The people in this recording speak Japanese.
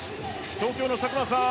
東京の佐久間さん